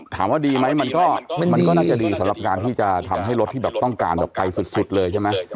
ถามว่าดีไหมมันก็น่าจะดีสำหรับการที่จะทำให้รถที่แบบต้องการแบบไปสุดเลยใช่ไหม